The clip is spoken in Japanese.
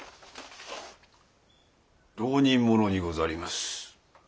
浪人者にござります。